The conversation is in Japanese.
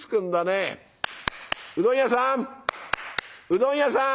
うどん屋さん！